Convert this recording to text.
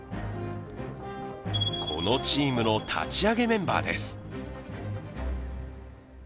このチームの立ち上げメンバーです。